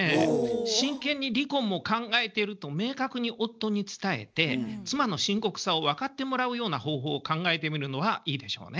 真剣に離婚も考えていると明確に夫に伝えて妻の深刻さを分かってもらうような方法を考えてみるのはいいでしょうね。